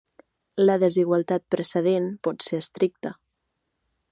La desigualtat precedent pot ser estricta.